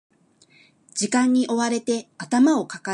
時間に追われて頭を抱える